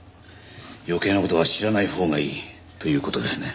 余計な事は知らないほうがいいという事ですね。